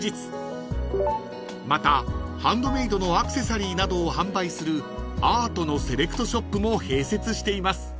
［またハンドメイドのアクセサリーなどを販売するアートのセレクトショップも併設しています］